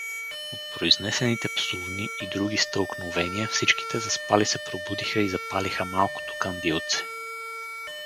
От произнесените псувни и други стълкновения всичките заспали се пробудиха и запалиха малкото кандилце.